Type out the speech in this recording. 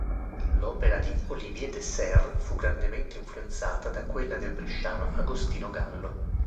L'opera di Olivier de Serres fu grandemente influenzata da quella del bresciano Agostino Gallo.